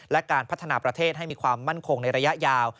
และการพัฒนาประเทศให้มีความมั่นคงในระยะยาว